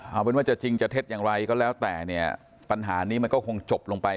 เอาเป็นว่าจะจริงจะเท็จอย่างไรก็แล้วแต่เนี่ยปัญหานี้มันก็คงจบลงไป